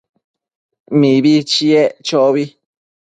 Mibi chiec chobi